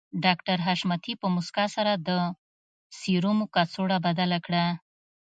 ډاکټر حشمتي په مسکا سره د سيرومو کڅوړه بدله کړه